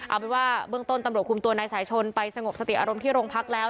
เอาเป็นว่าเบื้องต้นตำรวจคุมตัวนายสายชนไปสงบสติอารมณ์ที่โรงพักแล้ว